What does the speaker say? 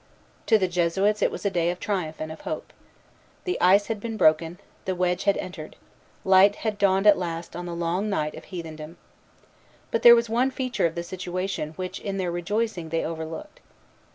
To the Jesuits it was a day of triumph and of hope. The ice had been broken; the wedge had entered; light had dawned at last on the long night of heathendom. But there was one feature of the situation which in their rejoicing they overlooked.